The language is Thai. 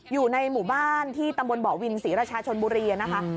อยู่ในหมู่บ้านที่ตำบลบ่อวินศรีราชาชนบุรีนะคะ